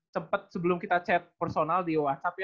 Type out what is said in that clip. sempet sebelum kita chat personal di whatsapp ya